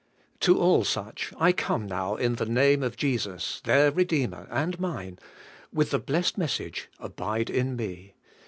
To all such I come now in the name of Jesus, their Redeemer and mine, with the blessed message: 'Abide in me.